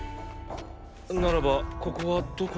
ならばここはどこなのだ。